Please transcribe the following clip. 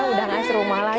udah gak serumah lagi